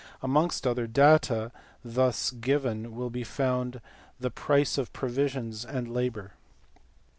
Amongst other data thus given will be found the price of provisions and labour.